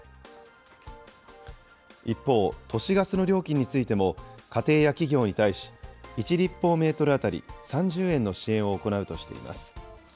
一方、都市ガスの料金についても、家庭や企業に対し、１立方メートル当たり３０円の支援を行うとしています。